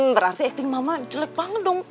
berarti acting mama jelek banget dong